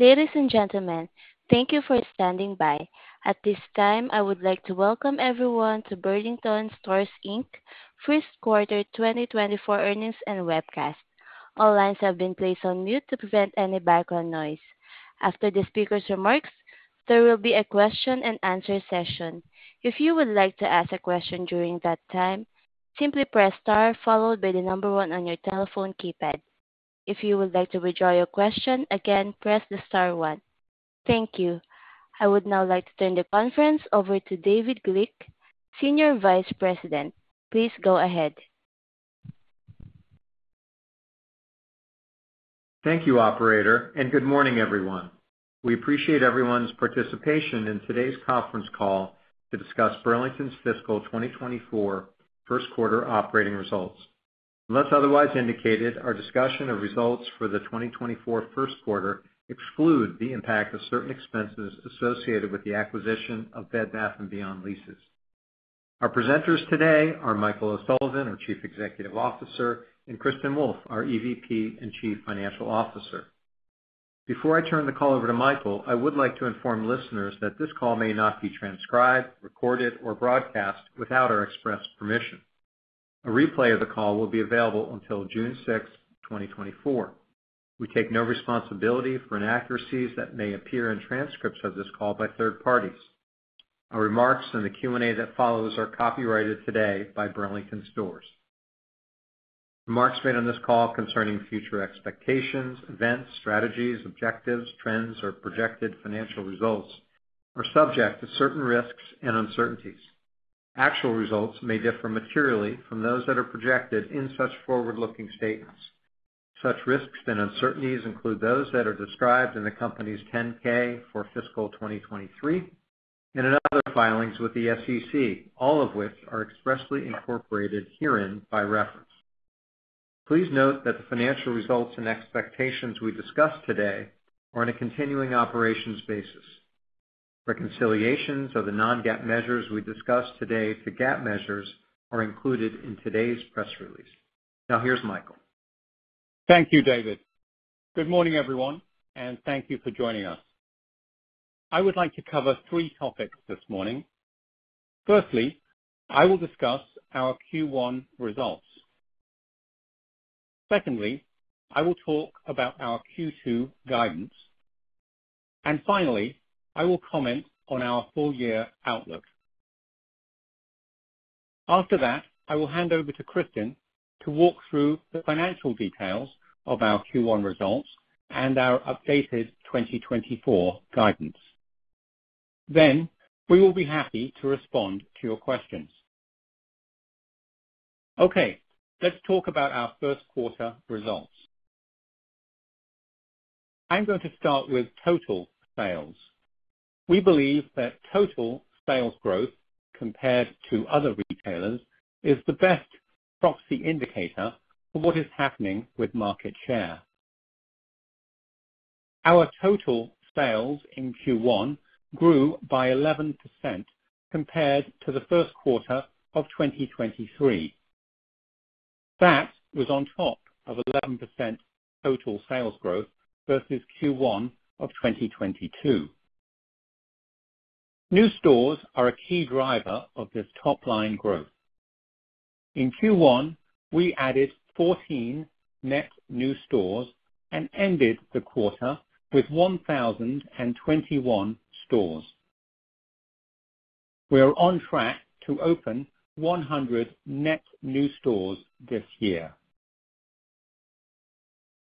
Ladies and gentlemen, thank you for standing by. At this time, I would like to welcome everyone to Burlington Stores, Inc First Quarter 2024 Earnings and Webcast. All lines have been placed on mute to prevent any background noise. After the speaker's remarks, there will be a question and answer session. If you would like to ask a question during that time, simply press star followed by the number one on your telephone keypad. If you would like to withdraw your question again, press the star one. Thank you. I would now like to turn the conference over to David Glick, Senior Vice President. Please go ahead. Thank you, operator, and good morning, everyone. We appreciate everyone's participation in today's conference call to discuss Burlington's fiscal 2024 first quarter operating results. Unless otherwise indicated, our discussion of results for the 2024 first quarter exclude the impact of certain expenses associated with the acquisition of Bed Bath & Beyond leases. Our presenters today are Michael O'Sullivan, our Chief Executive Officer, and Kristin Wolfe, our EVP and Chief Financial Officer. Before I turn the call over to Michael, I would like to inform listeners that this call may not be transcribed, recorded, or broadcast without our express permission. A replay of the call will be available until June 6, 2024. We take no responsibility for inaccuracies that may appear in transcripts of this call by third parties. Our remarks in the Q&A that follows are copyrighted today by Burlington Stores. Remarks made on this call concerning future expectations, events, strategies, objectives, trends, or projected financial results are subject to certain risks and uncertainties. Actual results may differ materially from those that are projected in such forward-looking statements. Such risks and uncertainties include those that are described in the company's 10-K for fiscal 2023 and in other filings with the SEC, all of which are expressly incorporated herein by reference. Please note that the financial results and expectations we discuss today are on a continuing operations basis. Reconciliations of the non-GAAP measures we discussed today to GAAP measures are included in today's press release. Now, here's Michael. Thank you, David. Good morning, everyone, and thank you for joining us. I would like to cover three topics this morning. Firstly, I will discuss our Q1 results. Secondly, I will talk about our Q2 guidance. Finally, I will comment on our full year outlook. After that, I will hand over to Kristin to walk through the financial details of our Q1 results and our updated 2024 guidance. Then we will be happy to respond to your questions. Okay, let's talk about our first quarter results. I'm going to start with total sales. We believe that total sales growth compared to other retailers is the best proxy indicator for what is happening with market share. Our total sales in Q1 grew by 11% compared to the first quarter of 2023. That was on top of 11% total sales growth versus Q1 of 2022. New stores are a key driver of this top-line growth. In Q1, we added 14 net new stores and ended the quarter with 1,021 stores. We are on track to open 100 net new stores this year.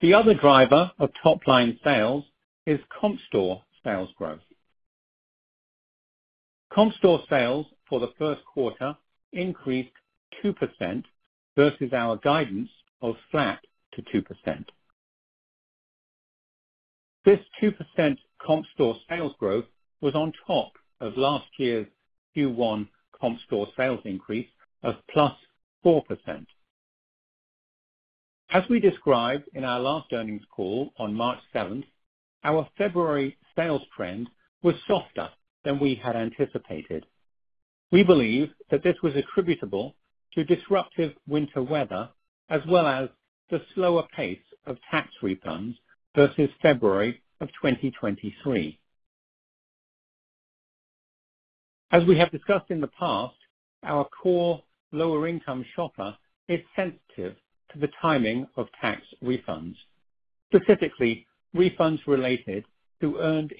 The other driver of top-line sales is comp store sales growth. Comp store sales for the first quarter increased 2% versus our guidance of flat to 2%. This 2% comp store sales growth was on top of last year's Q1 comp store sales increase of +4%. As we described in our last earnings call on March 7, our February sales trend was softer than we had anticipated. We believe that this was attributable to disruptive winter weather, as well as the slower pace of tax refunds versus February of 2023. As we have discussed in the past, our core lower-income shopper is sensitive to the timing of tax refunds, specifically refunds related to Earned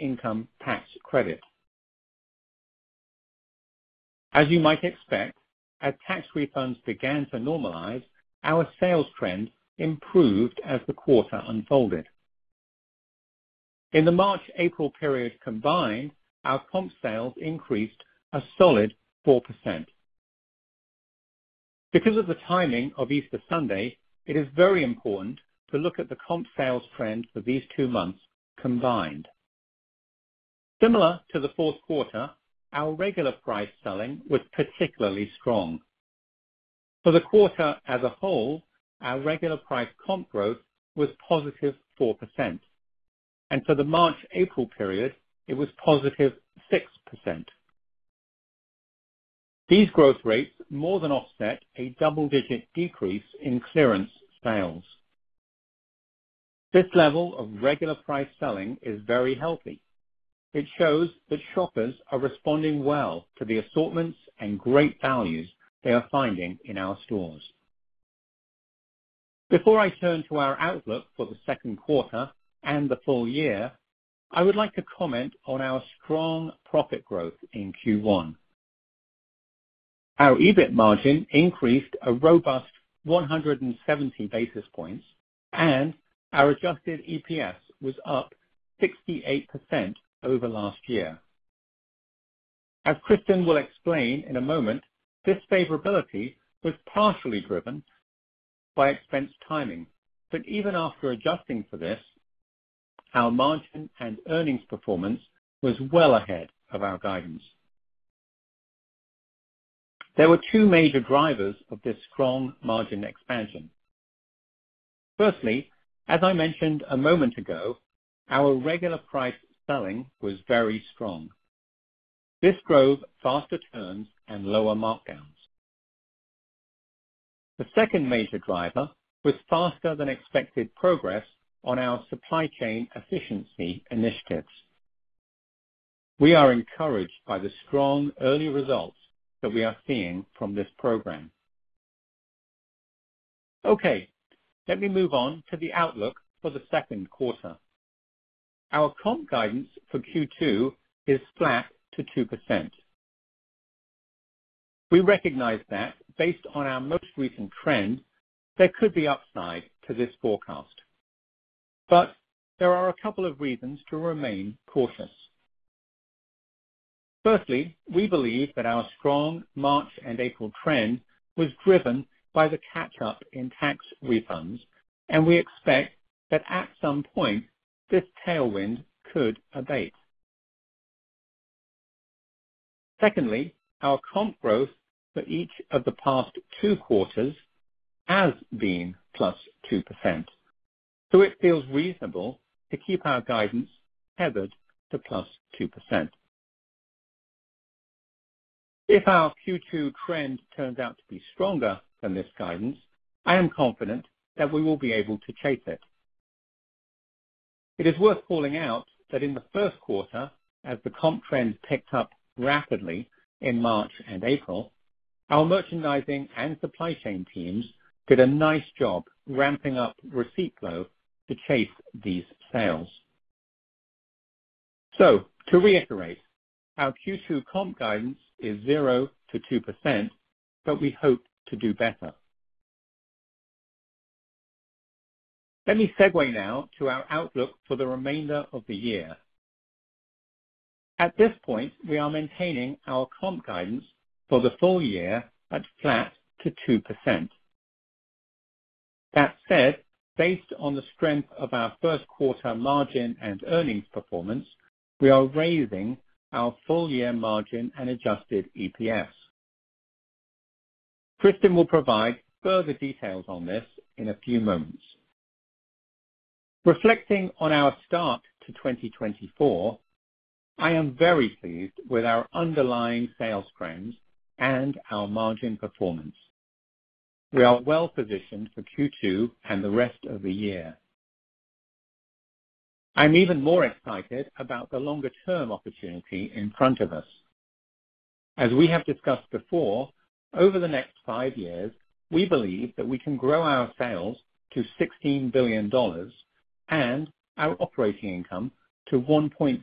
Income Tax Credit. As you might expect, as tax refunds began to normalize, our sales trend improved as the quarter unfolded. In the March, April period combined, our comp sales increased a solid 4%. Because of the timing of Easter Sunday, it is very important to look at the comp sales trends for these two months combined. Similar to the fourth quarter, our regular price selling was particularly strong. For the quarter as a whole, our regular price comp growth was +4%, and for the March, April period, it was +6%. These growth rates more than offset a double-digit decrease in clearance sales. This level of regular price selling is very healthy. It shows that shoppers are responding well to the assortments and great values they are finding in our stores. Before I turn to our outlook for the second quarter and the full year, I would like to comment on our strong profit growth in Q1. Our EBIT margin increased a robust 170 basis points, and our adjusted EPS was up 68% over last year. As Kristin will explain in a moment, this favorability was partially driven by expense timing, but even after adjusting for this, our margin and earnings performance was well ahead of our guidance. There were two major drivers of this strong margin expansion. Firstly, as I mentioned a moment ago, our regular price selling was very strong. This drove faster turns and lower markdowns. The second major driver was faster than expected progress on our supply chain efficiency initiatives. We are encouraged by the strong early results that we are seeing from this program. Okay, let me move on to the outlook for the second quarter. Our comp guidance for Q2 is flat to 2%. We recognize that based on our most recent trend, there could be upside to this forecast, but there are a couple of reasons to remain cautious. Firstly, we believe that our strong March and April trend was driven by the catch-up in tax refunds, and we expect that at some point, this tailwind could abate. Secondly, our comp growth for each of the past two quarters has been +2%, so it feels reasonable to keep our guidance tethered to +2%. If our Q2 trend turns out to be stronger than this guidance, I am confident that we will be able to chase it. It is worth calling out that in the first quarter, as the comp trend picked up rapidly in March and April, our merchandising and supply chain teams did a nice job ramping up receipt flow to chase these sales. So to reiterate, our Q2 comp guidance is 0%-2%, but we hope to do better. Let me segue now to our outlook for the remainder of the year. At this point, we are maintaining our comp guidance for the full year at flat to 2%. That said, based on the strength of our first quarter margin and earnings performance, we are raising our full-year margin and adjusted EPS. Kristin will provide further details on this in a few moments. Reflecting on our start to 2024, I am very pleased with our underlying sales trends and our margin performance. We are well positioned for Q2 and the rest of the year. I'm even more excited about the longer-term opportunity in front of us. As we have discussed before, over the next five years, we believe that we can grow our sales to $16 billion and our operating income to $1.6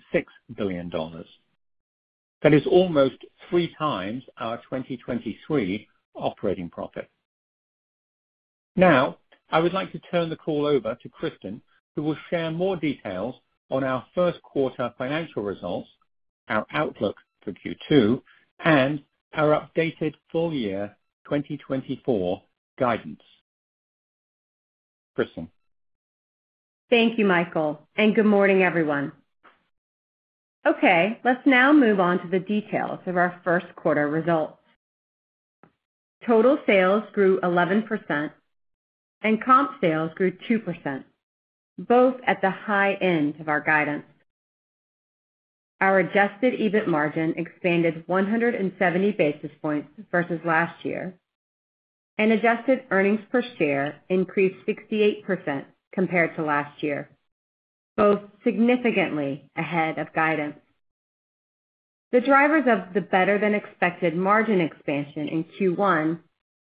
billion. That is almost 3x our 2023 operating profit. Now, I would like to turn the call over to Kristin, who will share more details on our first quarter financial results, our outlook for Q2, and our updated full year 2024 guidance. Kristin? Thank you, Michael, and good morning, everyone. Okay, let's now move on to the details of our first quarter results. Total sales grew 11% and comp sales grew 2%, both at the high end of our guidance. Our adjusted EBIT margin expanded 170 basis points versus last year, and adjusted earnings per share increased 68% compared to last year, both significantly ahead of guidance. The drivers of the better-than-expected margin expansion in Q1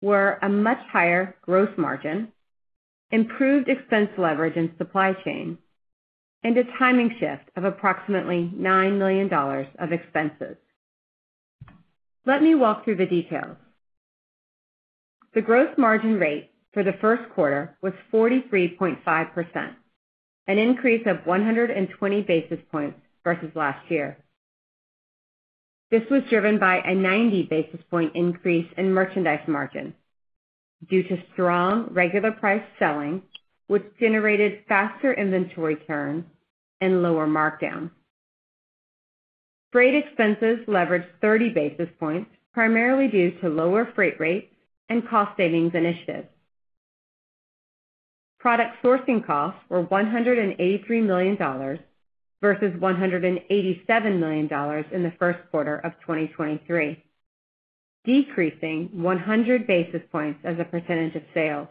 were a much higher gross margin, improved expense leverage in supply chain, and a timing shift of approximately $9 million of expenses. Let me walk through the details. The gross margin rate for the first quarter was 43.5%, an increase of 120 basis points versus last year. This was driven by a 90 basis point increase in merchandise margin due to strong regular price selling, which generated faster inventory turns and lower markdowns. Freight expenses leveraged 30 basis points, primarily due to lower freight rates and cost savings initiatives. Product sourcing costs were $183 million, versus $187 million in the first quarter of 2023, decreasing 100 basis points as a percentage of sales.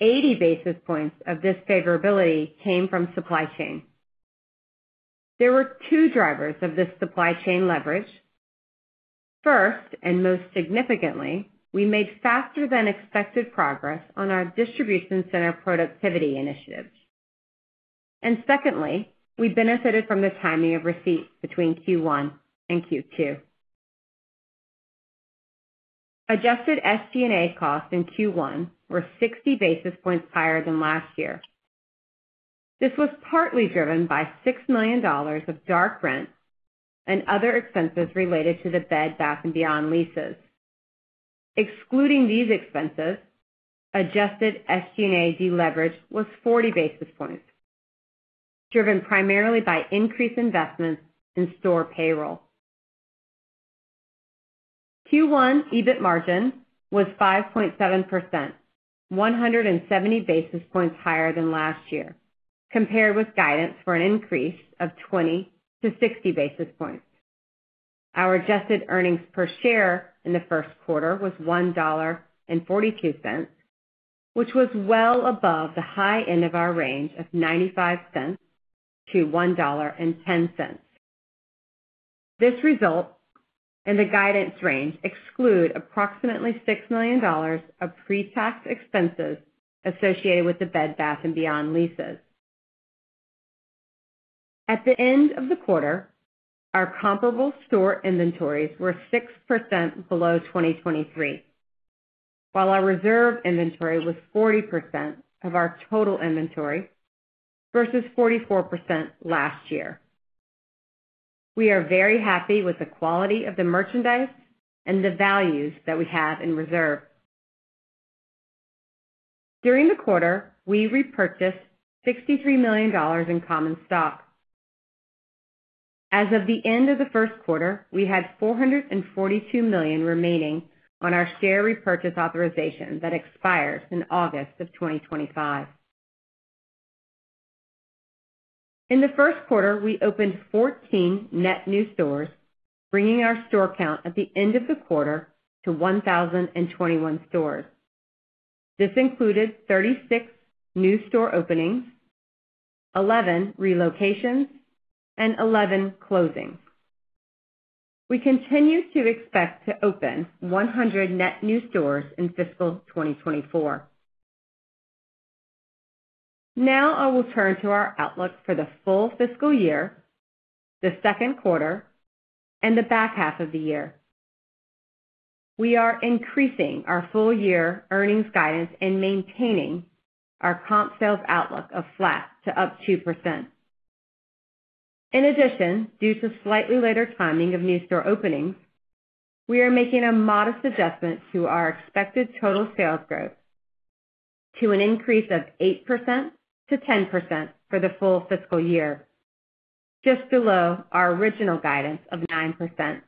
80 basis points of this favorability came from supply chain. There were two drivers of this supply chain leverage. First, and most significantly, we made faster than expected progress on our distribution center productivity initiatives. And secondly, we benefited from the timing of receipts between Q1 and Q2. Adjusted SG&A costs in Q1 were 60 basis points higher than last year. This was partly driven by $6 million of dark rent and other expenses related to the Bed Bath & Beyond leases. Excluding these expenses, adjusted SG&A deleverage was 40 basis points, driven primarily by increased investments in store payroll. Q1 EBIT margin was 5.7%, 170 basis points higher than last year, compared with guidance for an increase of 20-60 basis points. Our adjusted earnings per share in the first quarter was $1.42, which was well above the high end of our range of $0.95-$1.10. This result and the guidance range exclude approximately $6 million of pre-tax expenses associated with the Bed Bath & Beyond leases. At the end of the quarter, our comparable store inventories were 6% below 2023, while our reserve inventory was 40% of our total inventory versus 44% last year. We are very happy with the quality of the merchandise and the values that we have in reserve. During the quarter, we repurchased $63 million in common stock. As of the end of the first quarter, we had $442 million remaining on our share repurchase authorization that expires in August 2025. In the first quarter, we opened 14 net new stores, bringing our store count at the end of the quarter to 1,021 stores. This included 36 new store openings, 11 relocations, and 11 closings. We continue to expect to open 100 net new stores in fiscal 2024. Now I will turn to our outlook for the full fiscal year, the second quarter, and the back half of the year. We are increasing our full year earnings guidance and maintaining our comp sales outlook of flat to up 2%. In addition, due to slightly later timing of new store openings, we are making a modest adjustment to our expected total sales growth to an increase of 8%-10% for the full fiscal year, just below our original guidance of 9%-11%.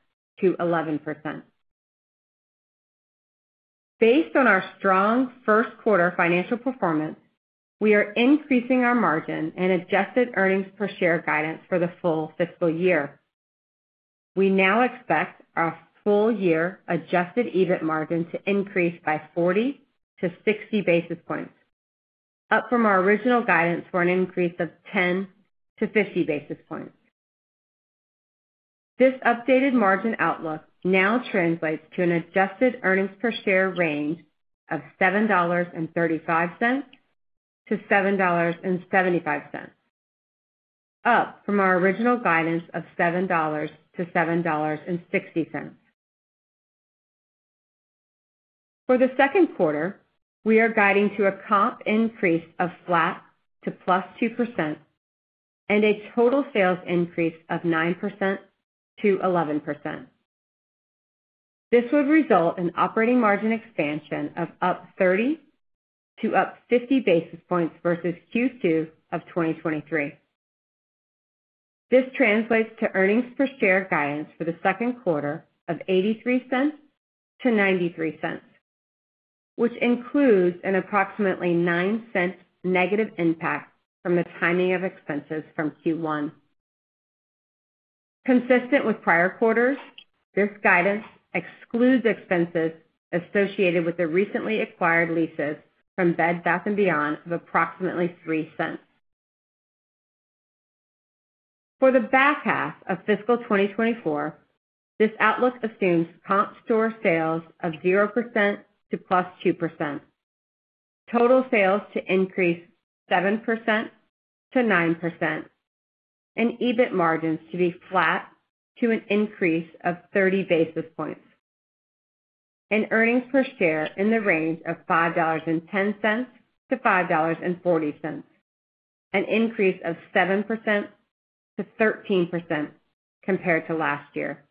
Based on our strong first quarter financial performance, we are increasing our margin and adjusted earnings per share guidance for the full fiscal year. We now expect our full year adjusted EBIT margin to increase by 40-60 basis points, up from our original guidance for an increase of 10-50 basis points. This updated margin outlook now translates to an adjusted earnings per share range of $7.35-$7.75, up from our original guidance of $7-$7.60. For the second quarter, we are guiding to a comp increase of flat to +2% and a total sales increase of 9%-11%. This would result in operating margin expansion of up 30 basis points to up 50 basis points versus Q2 of 2023. This translates to earnings per share guidance for the second quarter of $0.83-$0.93, which includes an approximately $0.09 negative impact from the timing of expenses from Q1. Consistent with prior quarters, this guidance excludes expenses associated with the recently acquired leases from Bed Bath & Beyond of approximately $0.03. For the back half of fiscal 2024, this outlook assumes comp store sales of 0% to +2%, total sales to increase 7%-9%, and EBIT margins to be flat to an increase of 30 basis points, and earnings per share in the range of $5.10-$5.40, an increase of 7%-13% compared to last year.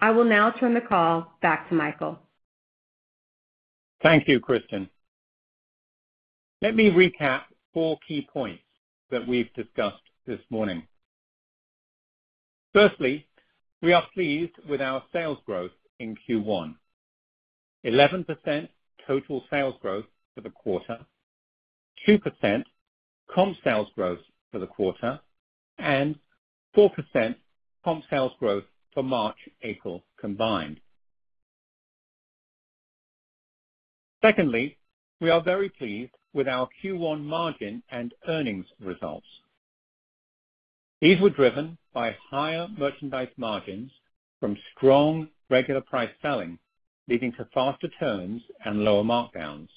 I will now turn the call back to Michael. Thank you, Kristin. Let me recap four key points that we've discussed this morning. Firstly, we are pleased with our sales growth in Q1. 11% total sales growth for the quarter, 2% comp sales growth for the quarter, and 4% comp sales growth for March, April combined. Secondly, we are very pleased with our Q1 margin and earnings results. These were driven by higher merchandise margins from strong regular price selling, leading to faster turns and lower markdowns,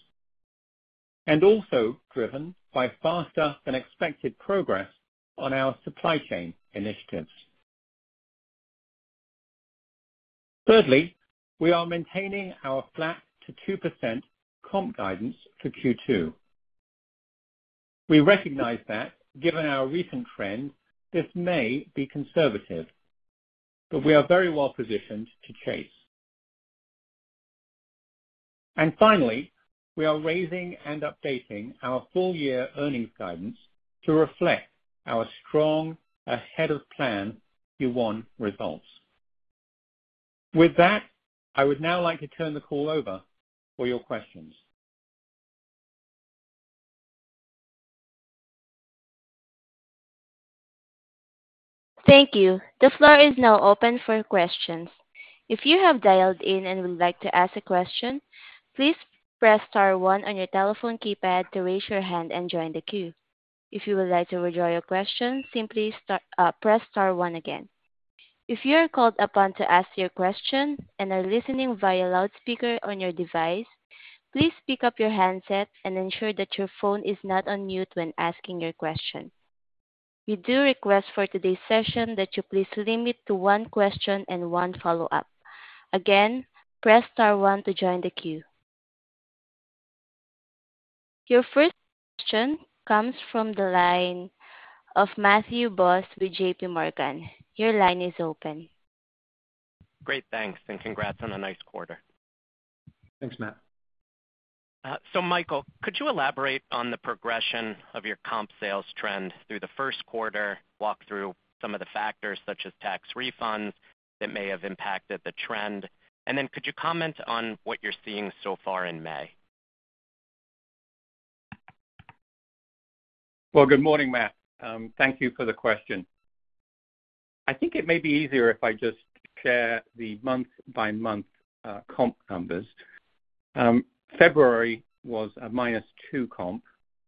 and also driven by faster than expected progress on our supply chain initiatives. Thirdly, we are maintaining our flat to 2% comp guidance for Q2. We recognize that given our recent trends, this may be conservative, but we are very well positioned to chase. And finally, we are raising and updating our full year earnings guidance to reflect our strong ahead of plan Q1 results. With that, I would now like to turn the call over for your questions. Thank you. The floor is now open for questions. If you have dialed in and would like to ask a question, please press star one on your telephone keypad to raise your hand and join the queue. If you would like to withdraw your question, simply press star one again. If you are called upon to ask your question and are listening via loudspeaker on your device, please pick up your handset and ensure that your phone is not on mute when asking your question. We do request for today's session that you please limit to one question and one follow-up. Again, press star one to join the queue. Your first question comes from the line of Matthew Boss with JPMorgan. Your line is open. Great, thanks, and congrats on a nice quarter. Thanks, Matt. So Michael, could you elaborate on the progression of your comp sales trend through the first quarter? Walk through some of the factors, such as tax refunds, that may have impacted the trend. And then could you comment on what you're seeing so far in May? Well, good morning, Matt. Thank you for the question. I think it may be easier if I just share the month-by-month comp numbers. February was a -2 comp,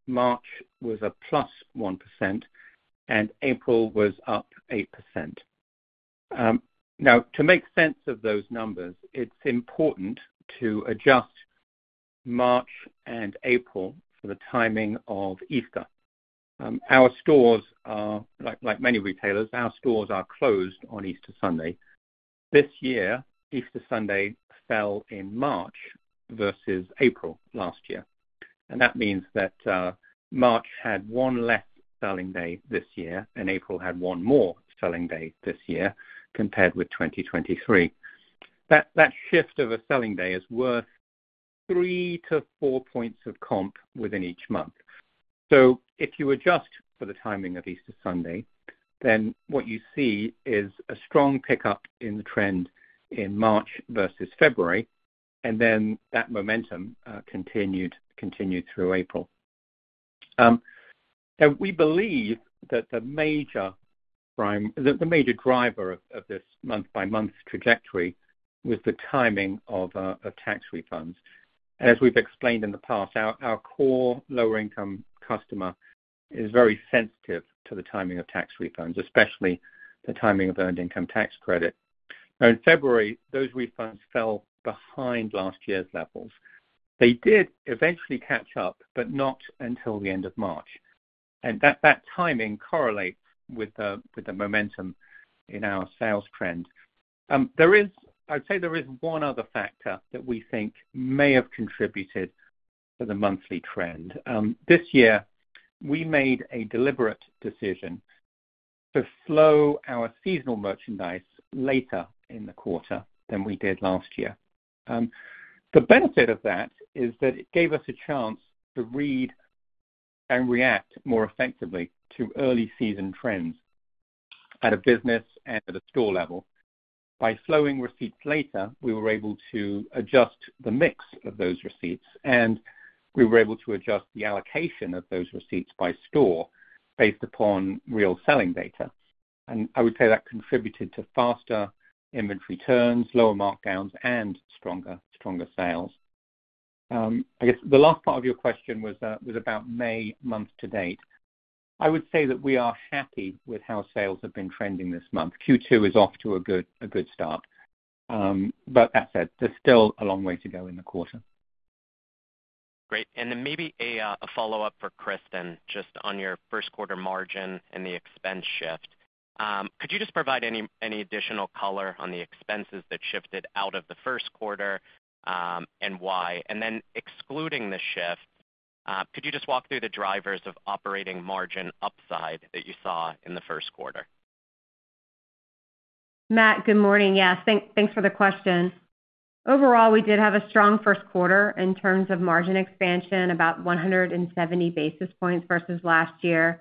March was a +1%, and April was up 8%. Now, to make sense of those numbers, it's important to adjust March and April for the timing of Easter. Our stores are, like many retailers, closed on Easter Sunday. This year, Easter Sunday fell in March versus April last year, and that means that March had one less selling day this year, and April had one more selling day this year compared with 2023. That shift of a selling day is worth 3-4 points of comp within each month. So if you adjust for the timing of Easter Sunday, then what you see is a strong pickup in the trend in March versus February, and then that momentum continued through April. Now, we believe that the major driver of this month-by-month trajectory was the timing of tax refunds. As we've explained in the past, our core lower-income customer is very sensitive to the timing of tax refunds, especially the timing of Earned Income Tax Credit. Now, in February, those refunds fell behind last year's levels. They did eventually catch up, but not until the end of March, and that timing correlates with the momentum in our sales trend. I'd say there is one other factor that we think may have contributed to the monthly trend. This year, we made a deliberate decision to slow our seasonal merchandise later in the quarter than we did last year. The benefit of that is that it gave us a chance to read and react more effectively to early season trends at a business and at a store level. By slowing receipts later, we were able to adjust the mix of those receipts, and we were able to adjust the allocation of those receipts by store based upon real selling data. And I would say that contributed to faster inventory turns, lower markdowns, and stronger sales. I guess the last part of your question was about May month-to-date. I would say that we are happy with how sales have been trending this month. Q2 is off to a good start. But that said, there's still a long way to go in the quarter. Great. And then maybe a, a follow-up for Kristin, just on your first quarter margin and the expense shift. Could you just provide any, any additional color on the expenses that shifted out of the first quarter, and why? And then excluding the shift, could you just walk through the drivers of operating margin upside that you saw in the first quarter? Matt, good morning. Yes, thanks for the question. Overall, we did have a strong first quarter in terms of margin expansion, about 170 basis points versus last year.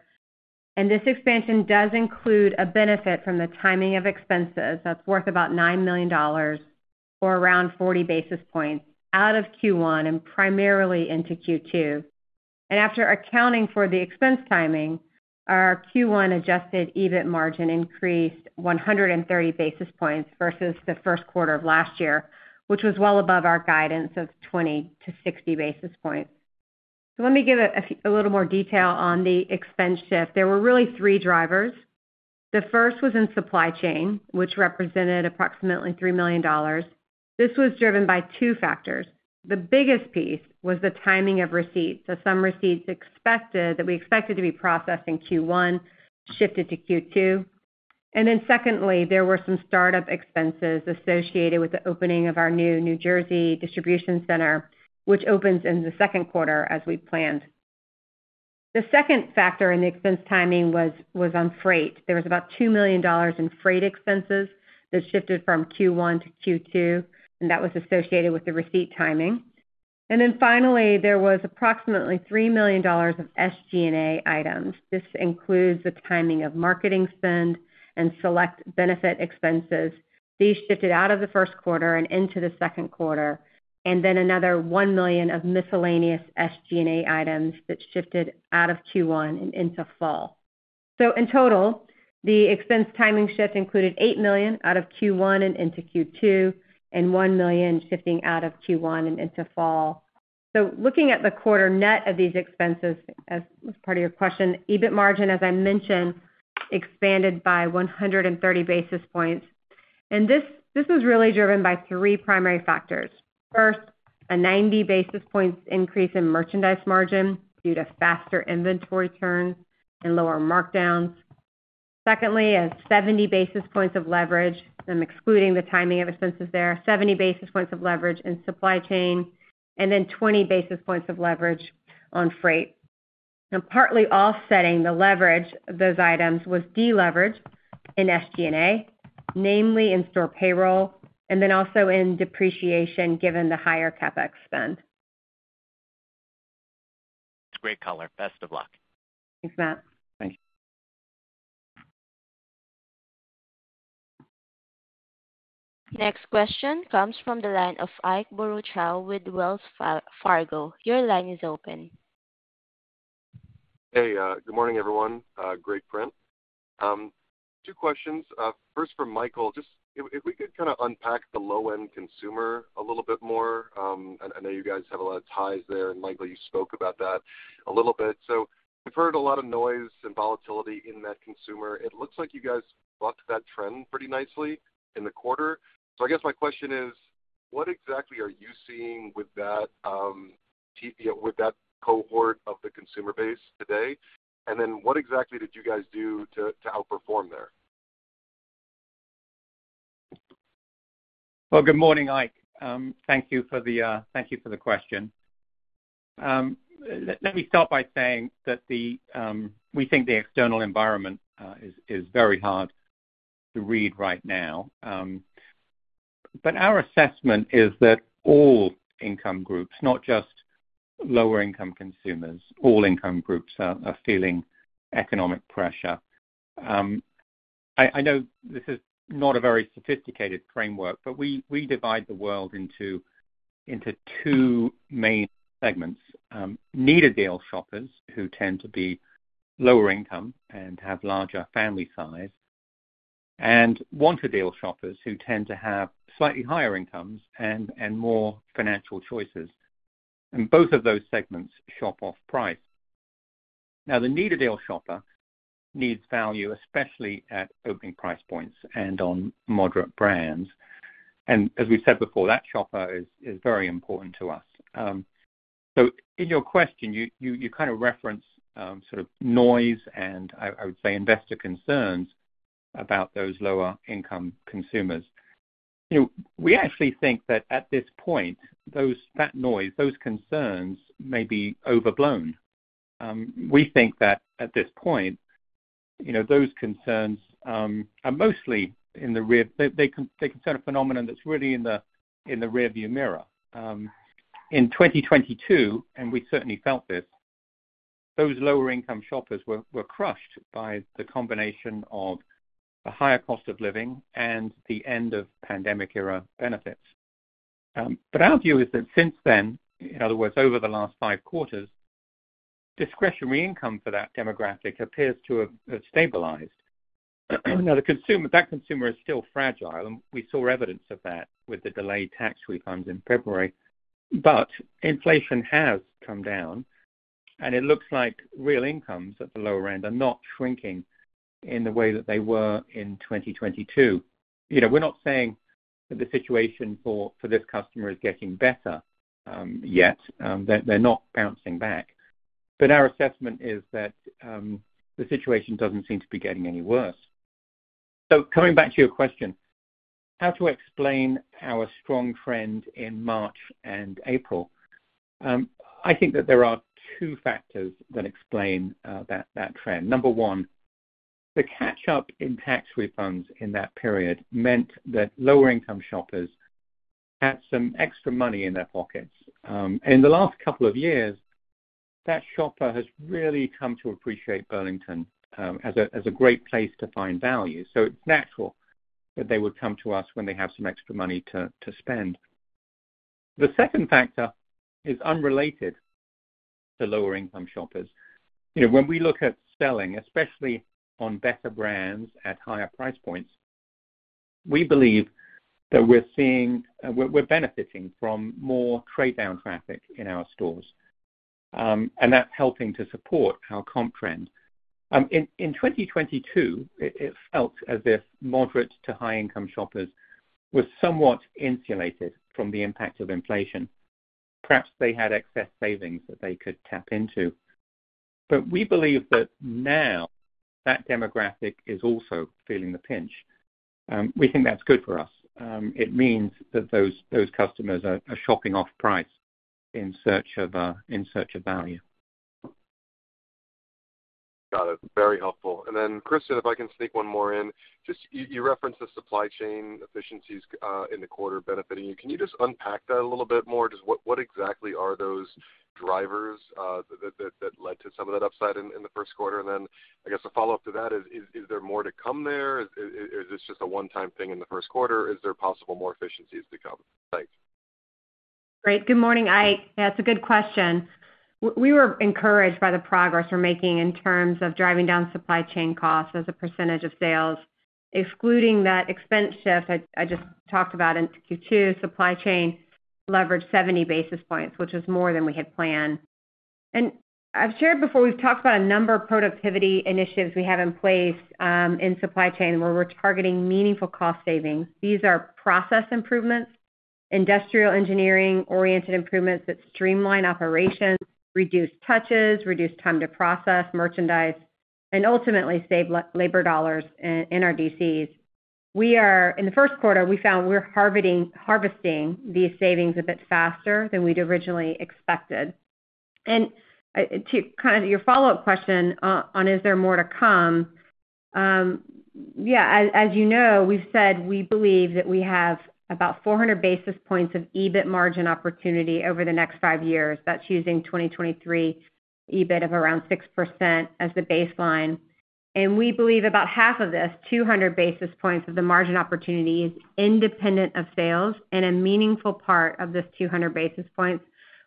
And this expansion does include a benefit from the timing of expenses that's worth about $9 million, or around 40 basis points, out of Q1 and primarily into Q2. And after accounting for the expense timing, our Q1 adjusted EBIT margin increased 130 basis points versus the first quarter of last year, which was well above our guidance of 20-60 basis points. So let me give a little more detail on the expense shift. There were really three drivers. The first was in supply chain, which represented approximately $3 million. This was driven by two factors. The biggest piece was the timing of receipts. So some receipts expected, that we expected to be processed in Q1 shifted to Q2. And then secondly, there were some start-up expenses associated with the opening of our new New Jersey distribution center, which opens in the second quarter as we planned. The second factor in the expense timing was on freight. There was about $2 million in freight expenses that shifted from Q1 to Q2, and that was associated with the receipt timing. And then finally, there was approximately $3 million of SG&A items. This includes the timing of marketing spend and select benefit expenses. These shifted out of the first quarter and into the second quarter, and then another $1 million of miscellaneous SG&A items that shifted out of Q1 and into fall. So in total, the expense timing shift included $8 million out of Q1 and into Q2, and $1 million shifting out of Q1 and into fall. So looking at the quarter net of these expenses, as part of your question, EBIT margin, as I mentioned, expanded by 130 basis points. And this, this is really driven by three primary factors. First, a 90 basis points increase in merchandise margin due to faster inventory turns and lower markdowns. Secondly, a 70 basis points of leverage, and excluding the timing of expenses there, 70 basis points of leverage in supply chain, and then 20 basis points of leverage on freight. And partly offsetting the leverage of those items was deleverage in SG&A, namely in store payroll and then also in depreciation given the higher CapEx spend. Great color. Best of luck. Thanks, Matt. Thank you. Next question comes from the line of Ike Boruchow with Wells Fargo. Your line is open. Hey, good morning, everyone. Great print. Two questions. First for Michael, just if we could kind of unpack the low-end consumer a little bit more, I know you guys have a lot of ties there, and Michael, you spoke about that a little bit. So we've heard a lot of noise and volatility in that consumer. It looks like you guys bucked that trend pretty nicely in the quarter. So I guess my question is, what exactly are you seeing with that, with that cohort of the consumer base today? And then what exactly did you guys do to help perform there? Well, good morning, Ike. Thank you for the question. Let me start by saying that we think the external environment is very hard to read right now. But our assessment is that all income groups, not just lower income consumers, all income groups are feeling economic pressure. I know this is not a very sophisticated framework, but we divide the world into two main segments: need-a-deal shoppers, who tend to be lower income and have larger family size, and want-a-deal shoppers, who tend to have slightly higher incomes and more financial choices. And both of those segments shop off-price. Now, the need-a-deal shopper needs value, especially at opening price points and on moderate brands. And as we said before, that shopper is very important to us. So in your question, you kind of referenced sort of noise and I would say investor concerns about those lower-income consumers. You know, we actually think that at this point, those, that noise, those concerns may be overblown. We think that at this point, you know, those concerns are mostly in the rear. They concern a phenomenon that's really in the rearview mirror. In 2022, and we certainly felt this, those lower-income shoppers were crushed by the combination of the higher cost of living and the end of pandemic-era benefits. But our view is that since then, in other words, over the last five quarters, discretionary income for that demographic appears to have stabilized. Now, the consumer, that consumer is still fragile, and we saw evidence of that with the delayed tax refunds in February. But inflation has come down, and it looks like real incomes at the lower end are not shrinking in the way that they were in 2022. You know, we're not saying that the situation for this customer is getting better yet. They're not bouncing back. But our assessment is that the situation doesn't seem to be getting any worse. So coming back to your question, how to explain our strong trend in March and April? I think that there are two factors that explain that trend. Number one. The catch-up in tax refunds in that period meant that lower-income shoppers had some extra money in their pockets. In the last couple of years, that shopper has really come to appreciate Burlington as a great place to find value. So it's natural that they would come to us when they have some extra money to spend. The second factor is unrelated to lower income shoppers. You know, when we look at selling, especially on better brands at higher price points, we believe that we're seeing we're benefiting from more trade-down traffic in our stores. And that's helping to support our comp trend. In 2022, it felt as if moderate to high income shoppers were somewhat insulated from the impact of inflation. Perhaps they had excess savings that they could tap into. But we believe that now that demographic is also feeling the pinch. We think that's good for us. It means that those customers are shopping off-price in search of value. Got it. Very helpful. And then, Kristin, if I can sneak one more in. Just, you referenced the supply chain efficiencies in the quarter benefiting you. Can you just unpack that a little bit more? Just what exactly are those drivers that led to some of that upside in the first quarter? And then, I guess the follow-up to that is: Is there more to come there, or is this just a one-time thing in the first quarter? Is there possible more efficiencies to come? Thanks. Great. Good morning, Ike. Yeah, it's a good question. We were encouraged by the progress we're making in terms of driving down supply chain costs as a percentage of sales. Excluding that expense shift I just talked about in Q2, supply chain leveraged 70 basis points, which is more than we had planned. And I've shared before, we've talked about a number of productivity initiatives we have in place in supply chain, where we're targeting meaningful cost savings. These are process improvements, industrial engineering-oriented improvements that streamline operations, reduce touches, reduce time to process merchandise, and ultimately save labor dollars in our DCs. In the first quarter, we found we're harvesting these savings a bit faster than we'd originally expected. And to kind of your follow-up question, on is there more to come? Yeah, as you know, we've said we believe that we have about 400 basis points of EBIT margin opportunity over the next five years. That's using 2023 EBIT of around 6% as the baseline. We believe about half of this, 200 basis points of the margin opportunity, is independent of sales, and a meaningful part of this 200 basis points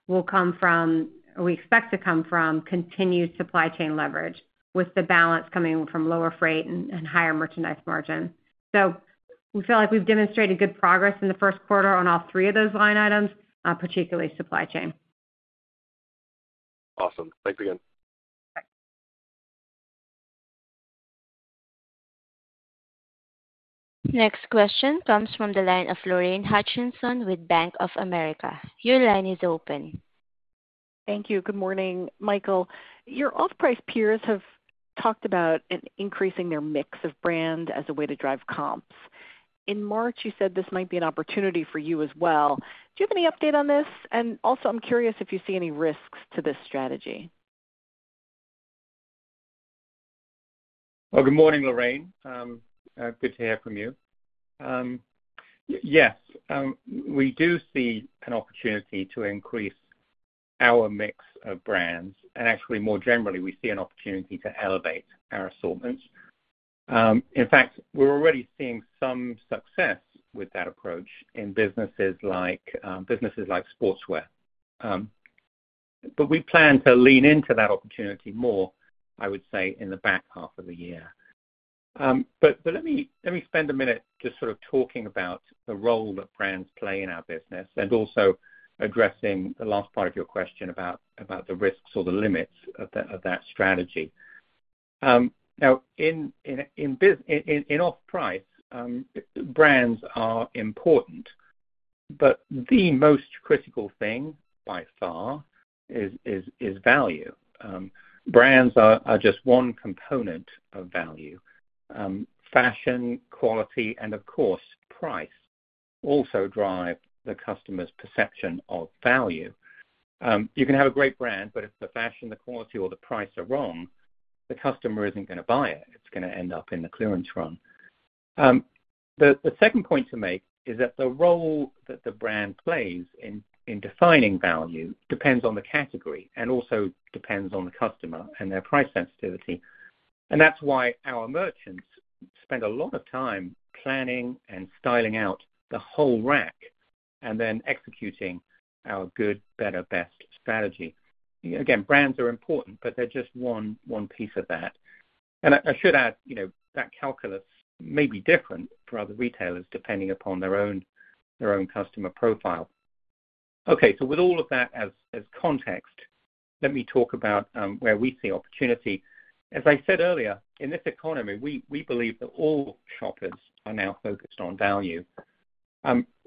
will come from, or we expect to come from continued supply chain leverage, with the balance coming from lower freight and higher merchandise margin. So we feel like we've demonstrated good progress in the first quarter on all three of those line items, particularly supply chain. Awesome. Thanks again. Bye. Next question comes from the line of Lorraine Hutchinson with Bank of America. Your line is open. Thank you. Good morning, Michael. Your off-price peers have talked about increasing their mix of brand as a way to drive comps. In March, you said this might be an opportunity for you as well. Do you have any update on this? And also, I'm curious if you see any risks to this strategy. Well, good morning, Lorraine. Good to hear from you. Yes, we do see an opportunity to increase our mix of brands, and actually, more generally, we see an opportunity to elevate our assortments. In fact, we're already seeing some success with that approach in businesses like sportswear. But we plan to lean into that opportunity more, I would say, in the back half of the year. But let me spend a minute just sort of talking about the role that brands play in our business, and also addressing the last part of your question about the risks or the limits of that strategy. Now, in off-price, brands are important, but the most critical thing by far is value. Brands are just one component of value. Fashion, quality, and of course, price, also drive the customer's perception of value. You can have a great brand, but if the fashion, the quality, or the price are wrong, the customer isn't gonna buy it. It's gonna end up in the clearance run. The second point to make is that the role that the brand plays in defining value depends on the category and also depends on the customer and their price sensitivity. That's why our merchants spend a lot of time planning and styling out the whole rack and then executing our good, better, best strategy. Again, brands are important, but they're just one piece of that. I should add, you know, that calculus may be different for other retailers, depending upon their own customer profile. Okay, so with all of that as context, let me talk about where we see opportunity. As I said earlier, in this economy, we believe that all shoppers are now focused on value.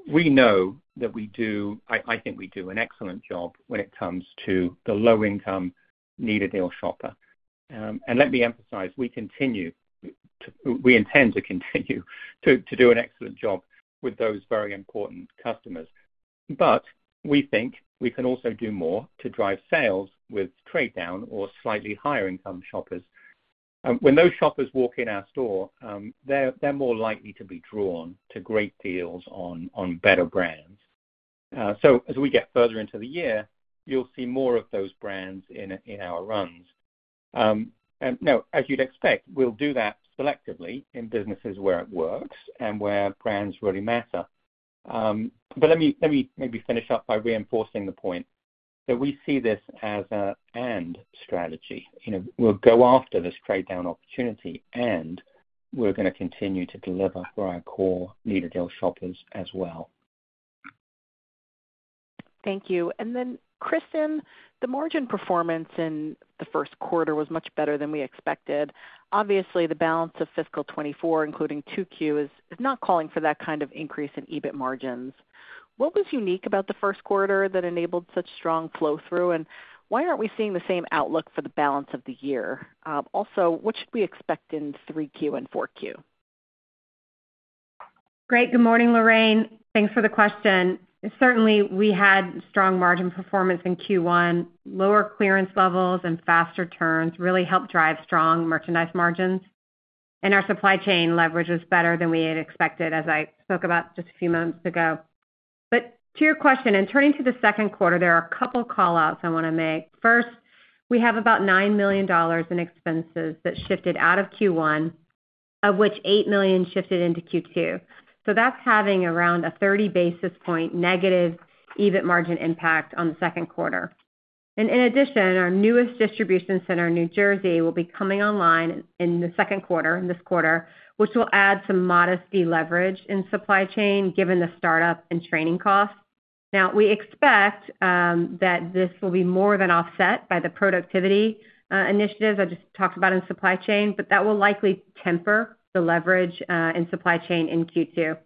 We know that we do. I think we do an excellent job when it comes to the low income, need-a-deal shopper. And let me emphasize, we intend to continue to do an excellent job with those very important customers. But we think we can also do more to drive sales with trade down or slightly higher income shoppers. When those shoppers walk in our store, they're more likely to be drawn to great deals on better brands. So as we get further into the year, you'll see more of those brands in our runs. And now, as you'd expect, we'll do that selectively in businesses where it works and where brands really matter. But let me maybe finish up by reinforcing the point that we see this as a and strategy. You know, we'll go after this trade down opportunity, and we're gonna continue to deliver for our core need-a-deal shoppers as well. Thank you. And then, Kristin, the margin performance in the first quarter was much better than we expected. Obviously, the balance of fiscal 2024, including 2Q, is, is not calling for that kind of increase in EBIT margins. What was unique about the first quarter that enabled such strong flow-through, and why aren't we seeing the same outlook for the balance of the year? Also, what should we expect in 3Q and 4Q? Great. Good morning, Lorraine. Thanks for the question. Certainly, we had strong margin performance in Q1. Lower clearance levels and faster turns really helped drive strong merchandise margins, and our supply chain leverage was better than we had expected, as I spoke about just a few moments ago. But to your question, in turning to the second quarter, there are a couple call-outs I wanna make. First, we have about $9 million in expenses that shifted out of Q1, of which $8 million shifted into Q2. So that's having around a 30 basis point negative EBIT margin impact on the second quarter. And in addition, our newest distribution center in New Jersey will be coming online in the second quarter, in this quarter, which will add some modest deleverage in supply chain, given the start-up and training costs. Now, we expect that this will be more than offset by the productivity initiatives I just talked about in supply chain, but that will likely temper the leverage in supply chain in Q2.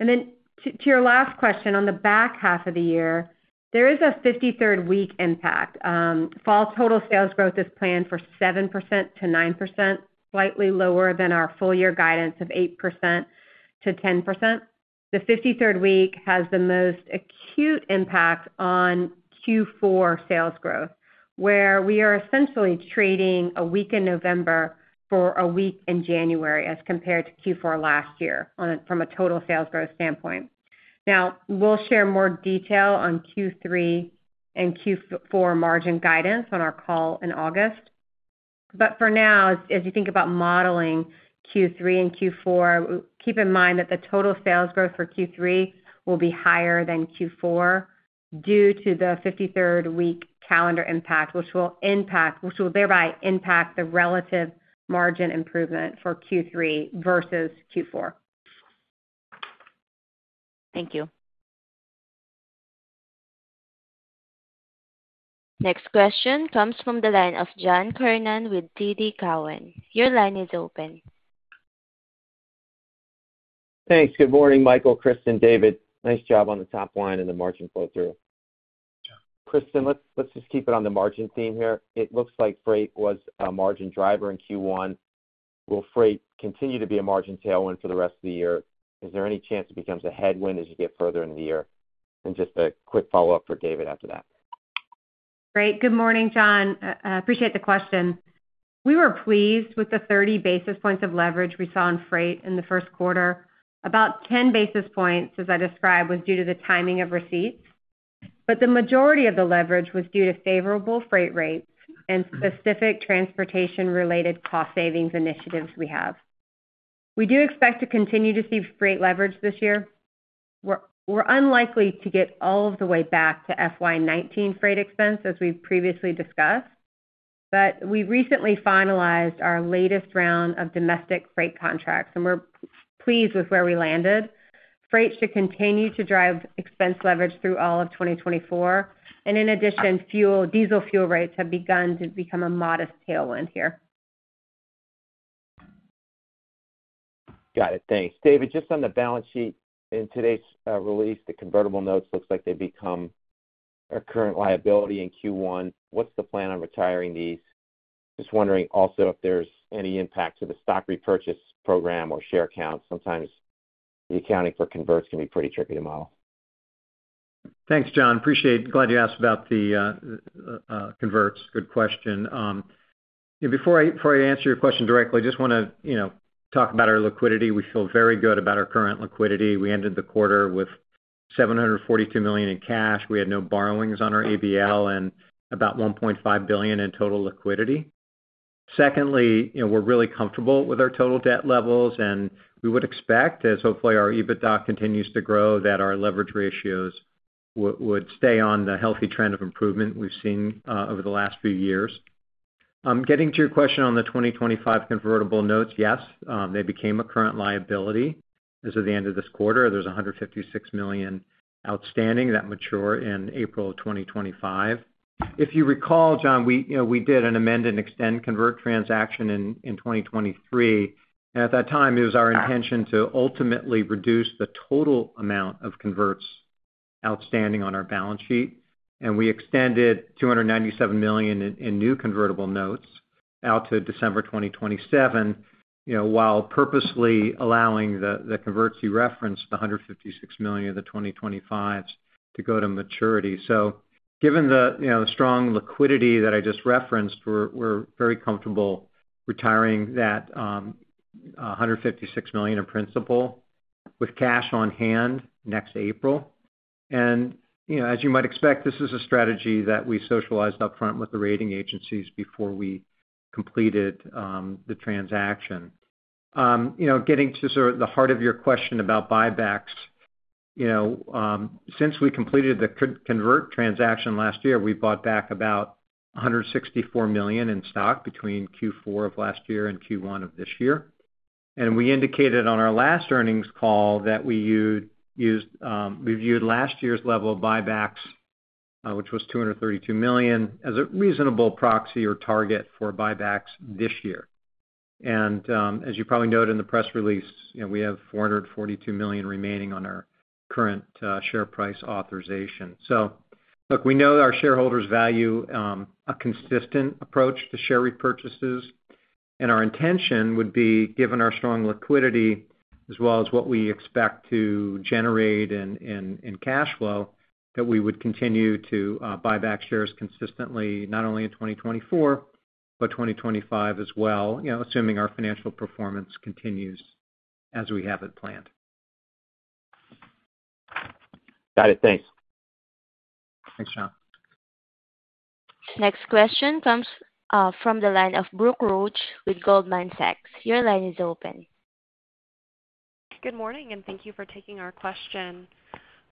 And then to your last question, on the back half of the year, there is a 53rd week impact. Fall total sales growth is planned for 7%-9%, slightly lower than our full year guidance of 8%-10%. The 53rd week has the most acute impact on Q4 sales growth, where we are essentially trading a week in November for a week in January as compared to Q4 last year from a total sales growth standpoint. Now, we'll share more detail on Q3 and Q4 margin guidance on our call in August. But for now, as you think about modeling Q3 and Q4, keep in mind that the total sales growth for Q3 will be higher than Q4 due to the 53rd week calendar impact, which will impact... which will thereby impact the relative margin improvement for Q3 versus Q4. Thank you. Next question comes from the line of John Kernan with TD Cowen. Your line is open. Thanks. Good morning, Michael, Kristin, David. Nice job on the top line and the margin flow through. Kristin, let's, let's just keep it on the margin theme here. It looks like freight was a margin driver in Q1. Will freight continue to be a margin tailwind for the rest of the year? Is there any chance it becomes a headwind as you get further into the year? And just a quick follow-up for David after that. Great. Good morning, John. I appreciate the question. We were pleased with the 30 basis points of leverage we saw in freight in the first quarter. About 10 basis points, as I described, was due to the timing of receipts, but the majority of the leverage was due to favorable freight rates and specific transportation-related cost savings initiatives we have. We do expect to continue to see freight leverage this year. We're unlikely to get all of the way back to FY 2019 freight expense, as we've previously discussed, but we recently finalized our latest round of domestic freight contracts, and we're pleased with where we landed. Freight should continue to drive expense leverage through all of 2024, and in addition, fuel—diesel fuel rates have begun to become a modest tailwind here. Got it. Thanks. David, just on the balance sheet, in today's release, the convertible notes looks like they've become a current liability in Q1. What's the plan on retiring these? Just wondering also if there's any impact to the stock repurchase program or share count. Sometimes the accounting for converts can be pretty tricky to model. Thanks, John. Appreciate it. Glad you asked about the converts. Good question. Before I answer your question directly, I just wanna, you know, talk about our liquidity. We feel very good about our current liquidity. We ended the quarter with $742 million in cash. We had no borrowings on our ABL and about $1.5 billion in total liquidity. Secondly, you know, we're really comfortable with our total debt levels, and we would expect, as hopefully our EBITDA continues to grow, that our leverage ratios would stay on the healthy trend of improvement we've seen over the last few years. Getting to your question on the 2025 convertible notes, yes, they became a current liability. As of the end of this quarter, there's $156 million outstanding that mature in April 2025. If you recall, John, we, you know, we did an amend and extend convert transaction in 2023, and at that time, it was our intention to ultimately reduce the total amount of converts outstanding on our balance sheet, and we extended $297 million in new convertible notes out to December 2027, you know, while purposely allowing the converts you referenced, the $156 million of the 2025s, to go to maturity. So given the, you know, strong liquidity that I just referenced, we're very comfortable retiring that $156 million in principal with cash on hand next April. And, you know, as you might expect, this is a strategy that we socialized upfront with the rating agencies before we completed the transaction. You know, getting to sort of the heart of your question about buybacks. You know, since we completed the convert transaction last year, we bought back about $164 million in stock between Q4 of last year and Q1 of this year. And we indicated on our last earnings call that we viewed last year's level of buybacks, which was $232 million, as a reasonable proxy or target for buybacks this year. And, as you probably noted in the press release, you know, we have $442 million remaining on our current share repurchase authorization. So look, we know our shareholders value a consistent approach to share repurchases, and our intention would be, given our strong liquidity, as well as what we expect to generate in cash flow, that we would continue to buy back shares consistently, not only in 2024, but 2025 as well, you know, assuming our financial performance continues as we have it planned. Got it. Thanks. Thanks, John. Next question comes from the line of Brooke Roach with Goldman Sachs. Your line is open. Good morning, and thank you for taking our question.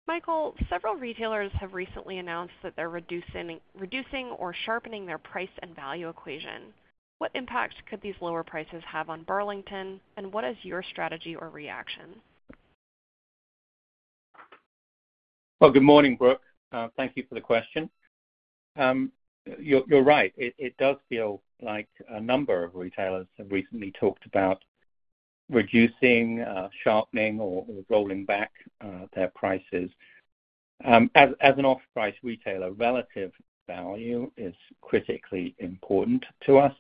Michael, several retailers have recently announced that they're reducing, reducing or sharpening their price and value equation. What impact could these lower prices have on Burlington? And what is your strategy or reaction? Well, good morning, Brooke. Thank you for the question. You're right. It does feel like a number of retailers have recently talked about reducing, sharpening or rolling back their prices. As an off-price retailer, relative value is critically important to us,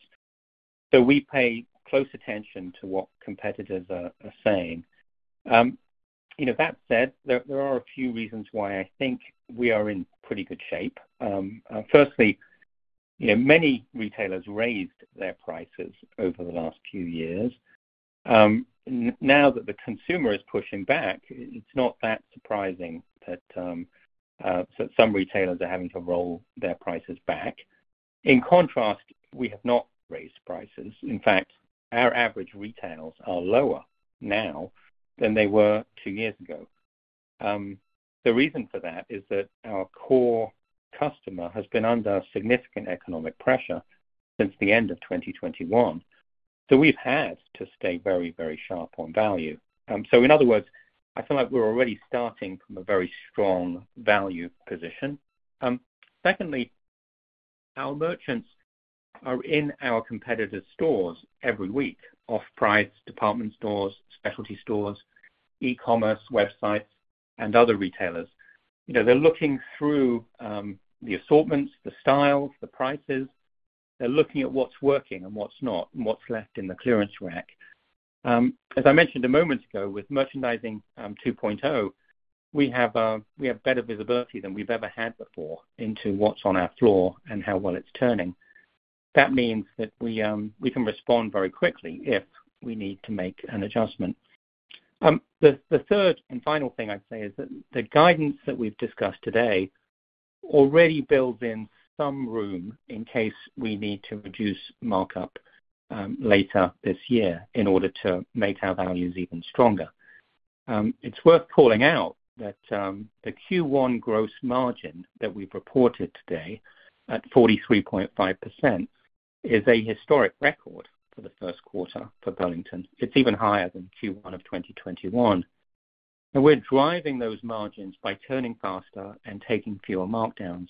so we pay close attention to what competitors are saying. You know, that said, there are a few reasons why I think we are in pretty good shape. Firstly, you know, many retailers raised their prices over the last few years. Now that the consumer is pushing back, it's not that surprising that so some retailers are having to roll their prices back. In contrast, we have not raised prices. In fact, our average retails are lower now than they were two years ago. The reason for that is that our core customer has been under significant economic pressure since the end of 2021, so we've had to stay very, very sharp on value. So in other words, I feel like we're already starting from a very strong value position. Secondly, our merchants are in our competitive stores every week: off-price, department stores, specialty stores, e-commerce websites, and other retailers. You know, they're looking through the assortments, the styles, the prices. They're looking at what's working and what's not, and what's left in the clearance rack. As I mentioned a moment ago, with Merchandising 2.0, we have better visibility than we've ever had before into what's on our floor and how well it's turning. That means that we can respond very quickly if we need to make an adjustment. The third and final thing I'd say is that the guidance that we've discussed today already builds in some room in case we need to reduce markup later this year in order to make our values even stronger. It's worth calling out that the Q1 gross margin that we've reported today at 43.5% is a historic record for the first quarter for Burlington. It's even higher than Q1 of 2021. And we're driving those margins by turning faster and taking fewer markdowns.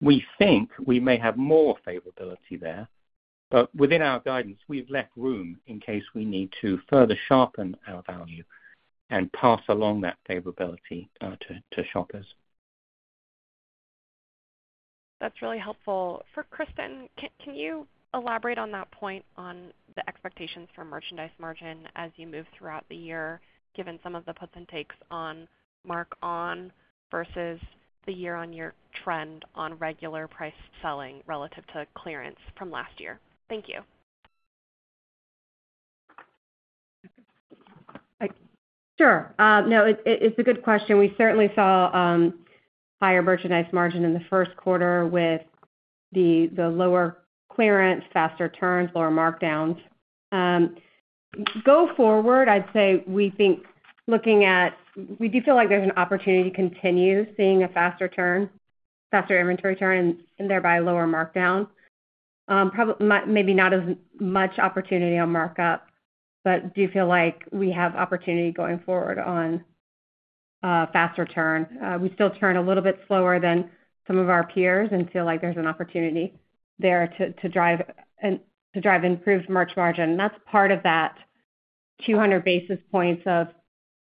We think we may have more favorability there, but within our guidance, we've left room in case we need to further sharpen our value and pass along that favorability to shoppers. That's really helpful. For Kristin, can you elaborate on that point on the expectations for merchandise margin as you move throughout the year, given some of the puts and takes on markdown versus the year-over-year trend on regular price selling relative to clearance from last year? Thank you. Hi. Sure. No, it's a good question. We certainly saw higher merchandise margin in the first quarter with the lower clearance, faster turns, lower markdowns. Go forward, I'd say we think we do feel like there's an opportunity to continue seeing a faster turn, faster inventory turn and thereby lower markdown. Maybe not as much opportunity on markup, but do feel like we have opportunity going forward on faster turn. We still turn a little bit slower than some of our peers and feel like there's an opportunity there to drive improved merch margin. That's part of that 200 basis points of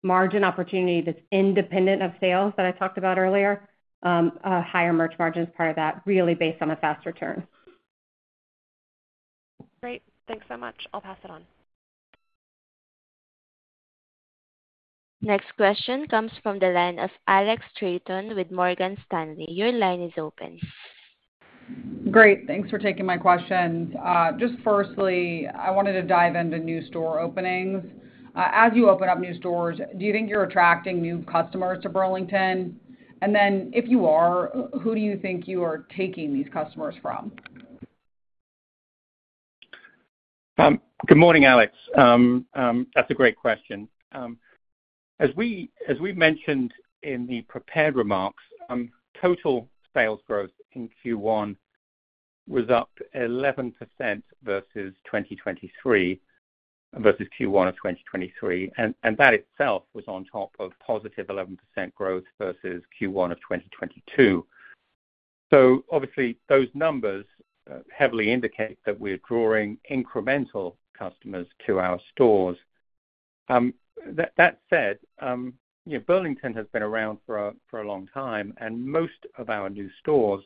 margin opportunity that's independent of sales that I talked about earlier, a higher merch margin is part of that, really based on a fast return. Great. Thanks so much. I'll pass it on. Next question comes from the line of Alex Straton with Morgan Stanley. Your line is open. Great. Thanks for taking my question. Just firstly, I wanted to dive into new store openings. As you open up new stores, do you think you're attracting new customers to Burlington? And then, if you are, who do you think you are taking these customers from? Good morning, Alex. That's a great question. As we mentioned in the prepared remarks, total sales growth in Q1 was up 11% versus 2023, versus Q1 of 2023, and that itself was on top of +11% growth versus Q1 of 2022. So obviously, those numbers heavily indicate that we're drawing incremental customers to our stores. That said, you know, Burlington has been around for a long time, and most of our new stores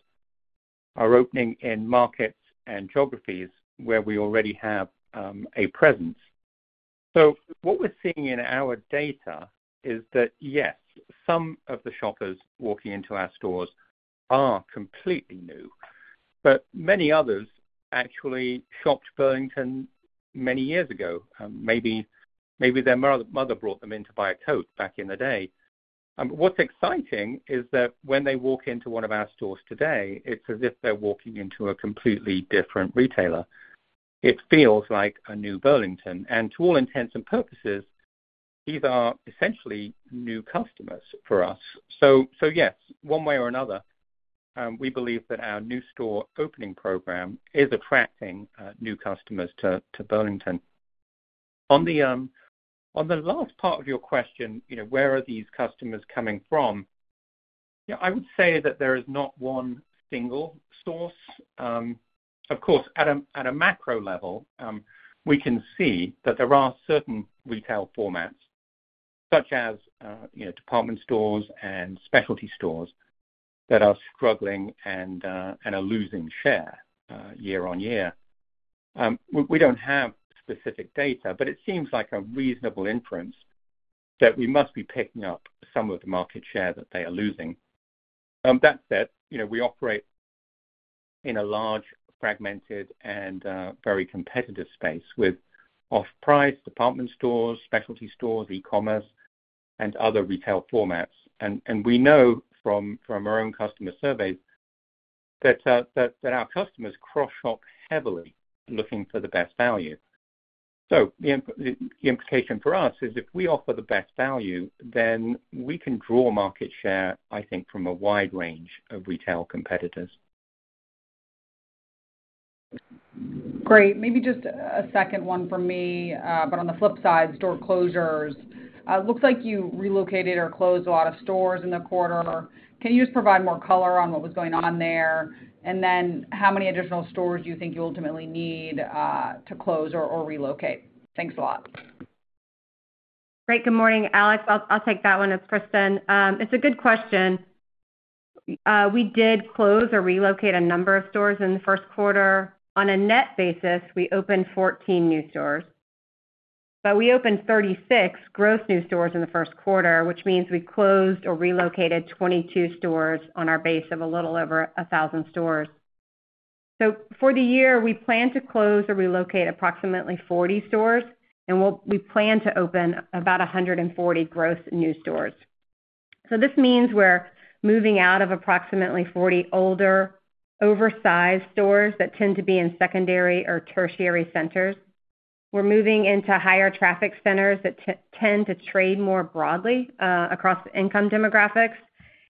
are opening in markets and geographies where we already have a presence. So what we're seeing in our data is that, yes, some of the shoppers walking into our stores are completely new, but many others actually shopped Burlington many years ago. Maybe their mother brought them in to buy a coat back in the day. What's exciting is that when they walk into one of our stores today, it's as if they're walking into a completely different retailer. It feels like a new Burlington, and to all intents and purposes, these are essentially new customers for us. So, yes, one way or another, we believe that our new store opening program is attracting new customers to Burlington. On the last part of your question, you know, where are these customers coming from? Yeah, I would say that there is not one single source. Of course, at a macro level, we can see that there are certain retail formats, such as, you know, department stores and specialty stores, that are struggling and are losing share year-on-year. We don't have specific data, but it seems like a reasonable inference that we must be picking up some of the market share that they are losing. That said, you know, we operate in a large, fragmented and very competitive space with off-price department stores, specialty stores, e-commerce, and other retail formats. We know from our own customer surveys that our customers cross-shop heavily, looking for the best value. So the implication for us is if we offer the best value, then we can draw market share, I think, from a wide range of retail competitors. Great. Maybe just a second one from me. But on the flip side, store closures. It looks like you relocated or closed a lot of stores in the quarter. Can you just provide more color on what was going on there? And then how many additional stores do you think you ultimately need to close or relocate? Thanks a lot. Great. Good morning, Alex. I'll take that one. It's Kristin. It's a good question. We did close or relocate a number of stores in the first quarter. On a net basis, we opened 14 new stores, but we opened 36 gross new stores in the first quarter, which means we closed or relocated 22 stores on our base of a little over 1,000 stores. So for the year, we plan to close or relocate approximately 40 stores, and we'll plan to open about 140 gross new stores. So this means we're moving out of approximately 40 older, oversized stores that tend to be in secondary or tertiary centers. We're moving into higher traffic centers that tend to trade more broadly across income demographics.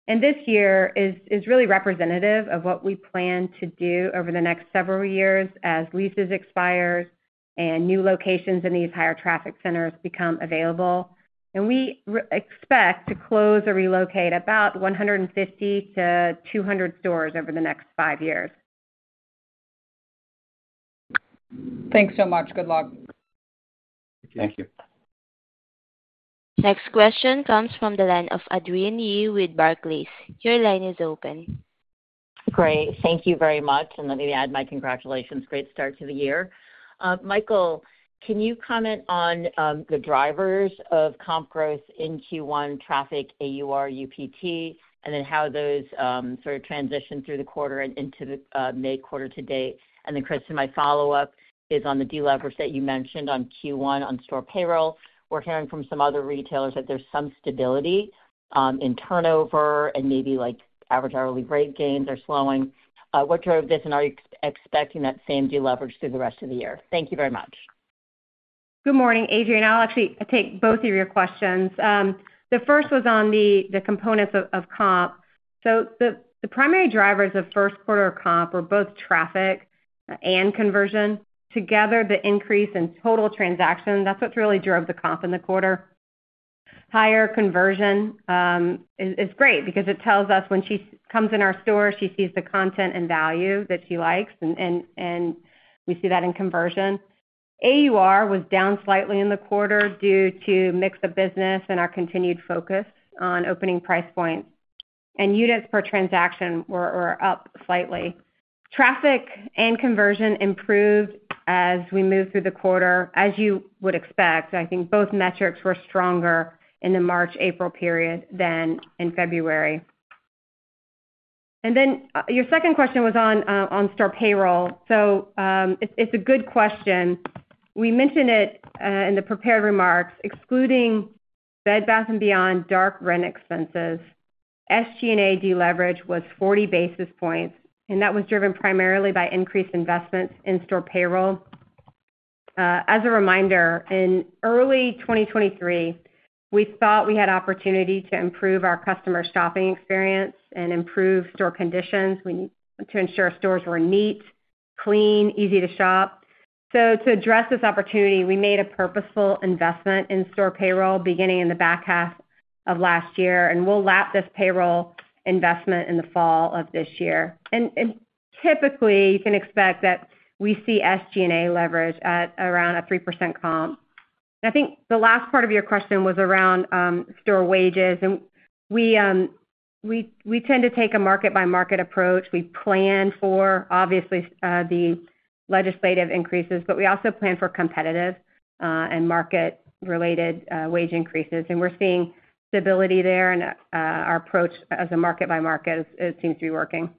And this year is really representative of what we plan to do over the next several years as leases expire and new locations in these higher traffic centers become available. And we expect to close or relocate about 150-200 stores over the next 5 years. Thanks so much. Good luck. Thank you. Next question comes from the line of Adrienne Yih with Barclays. Your line is open. Great. Thank you very much, and let me add my congratulations. Great start to the year. Michael, can you comment on the drivers of comp growth in Q1, traffic, AUR, UPT, and then how those sort of transition through the quarter and into the May quarter-to-date? And then, Kristin, my follow-up is on the deleverage that you mentioned on Q1, on store payroll. We're hearing from some other retailers that there's some stability in turnover and maybe, like, average hourly rate gains are slowing. What drove this, and are you expecting that same deleverage through the rest of the year? Thank you very much. Good morning, Adrienne. I'll actually take both of your questions. The first was on the components of comp. So the primary drivers of first quarter comp were both traffic and conversion. Together, the increase in total transactions, that's what really drove the comp in the quarter. Higher conversion is great because it tells us when she comes in our store, she sees the content and value that she likes, and we see that in conversion. AUR was down slightly in the quarter due to mix of business and our continued focus on opening price points. And units per transaction were up slightly. Traffic and conversion improved as we moved through the quarter. As you would expect, I think both metrics were stronger in the March, April period than in February. And then, your second question was on, on store payroll. So, it's a good question. We mentioned it, in the prepared remarks, excluding Bed Bath & Beyond dark rent expenses, SG&A deleverage was 40 basis points, and that was driven primarily by increased investments in store payroll. As a reminder, in early 2023, we thought we had opportunity to improve our customer shopping experience and improve store conditions. We to ensure stores were neat, clean, easy to shop. So to address this opportunity, we made a purposeful investment in store payroll beginning in the back half of last year, and we'll lap this payroll investment in the fall of this year. And typically, you can expect that we see SG&A leverage at around a 3% comp. And I think the last part of your question was around store wages, and we tend to take a market-by-market approach. We plan for, obviously, the legislative increases, but we also plan for competitive and market-related wage increases. And we're seeing stability there, and our approach as a market-by-market seems to be working.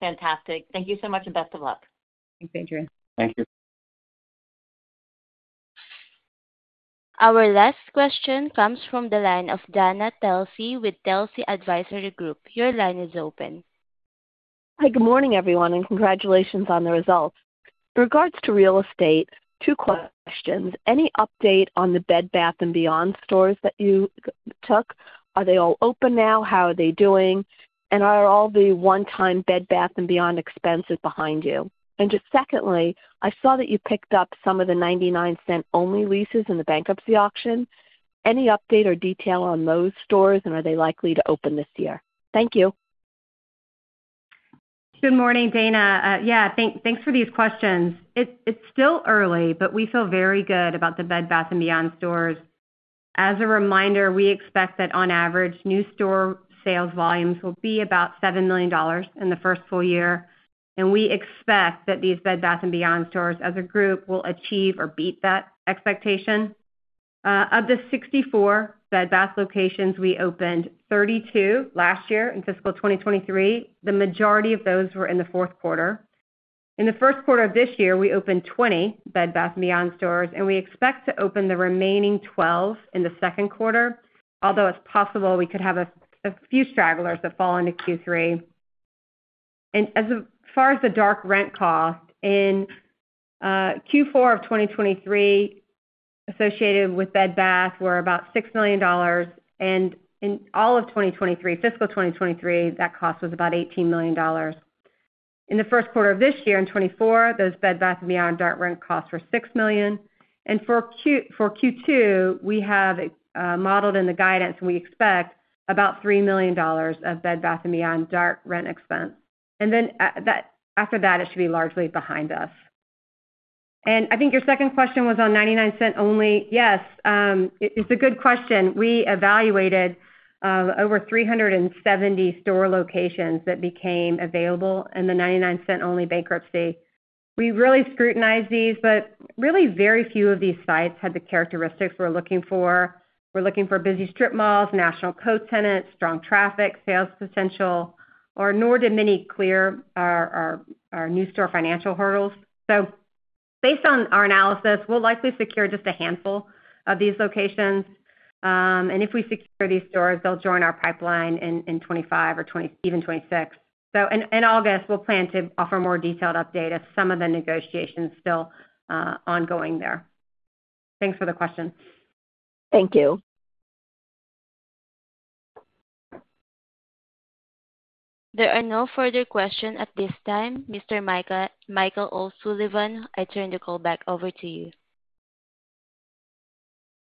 Fantastic. Thank you so much, and best of luck. Thanks, Adrienne. Thank you. Our last question comes from the line of Dana Telsey with Telsey Advisory Group. Your line is open. Hi, good morning, everyone, and congratulations on the results. With regards to real estate, two questions: Any update on the Bed Bath & Beyond stores that you took? Are they all open now? How are they doing? And are all the one-time Bed Bath & Beyond expenses behind you? And just secondly, I saw that you picked up some of the 99 Cents Only leases in the bankruptcy auction. Any update or detail on those stores, and are they likely to open this year? Thank you. Good morning, Dana. Yeah, thanks for these questions. It's still early, but we feel very good about the Bed Bath & Beyond stores. As a reminder, we expect that on average, new store sales volumes will be about $7 million in the first full year, and we expect that these Bed Bath & Beyond stores, as a group, will achieve or beat that expectation. Of the 64 Bed Bath locations, we opened 32 last year in fiscal 2023. The majority of those were in the fourth quarter. In the first quarter of this year, we opened 20 Bed Bath & Beyond stores, and we expect to open the remaining 12 in the second quarter. Although it's possible we could have a few stragglers that fall into Q3. As far as the dark rent cost, in Q4 of 2023, associated with Bed Bath were about $6 million, and in all of 2023, fiscal 2023, that cost was about $18 million. In the first quarter of this year, in 2024, those Bed Bath & Beyond dark rent costs were $6 million. And for Q2, we have modeled in the guidance, we expect about $3 million of Bed Bath & Beyond dark rent expense. And then, that after that, it should be largely behind us. And I think your second question was on 99 Cents Only. Yes, it's a good question. We evaluated over 370 store locations that became available in the 99 Cents Only bankruptcy. We really scrutinized these, but really, very few of these sites had the characteristics we're looking for. We're looking for busy strip malls, national co-tenants, strong traffic, sales potential, or nor did many clear our new store financial hurdles. So based on our analysis, we'll likely secure just a handful of these locations. And if we secure these stores, they'll join our pipeline in 2025 or even 2026. So in August, we'll plan to offer a more detailed update as some of the negotiations still ongoing there. Thanks for the question. Thank you. There are no further questions at this time. Mr. Michael O'Sullivan, I turn the call back over to you.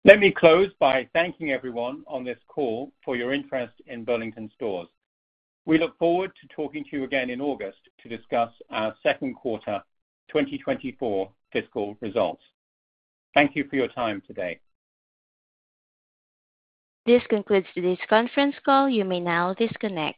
Let me close by thanking everyone on this call for your interest in Burlington Stores. We look forward to talking to you again in August to discuss our second quarter 2024 fiscal results. Thank you for your time today. This concludes today's conference call. You may now disconnect.